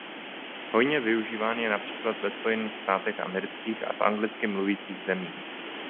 Hojně využíván je například ve Spojených státech amerických a v anglicky mluvících zemích.